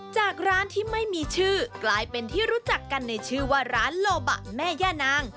จากร้านที่ไม่มีชื่อกลายเป็นที่รู้จักกันในชื่อว่าร้านโลบะแม่ย่านาง